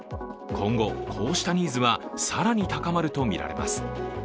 今後こうしたニーズは更に高まるとみられます。